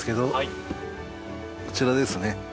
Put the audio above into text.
こちらですね。